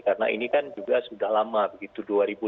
karena ini kan juga sudah lama begitu dua ribu lima belas